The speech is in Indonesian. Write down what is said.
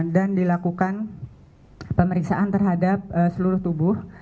dan dilakukan pemeriksaan terhadap seluruh tubuh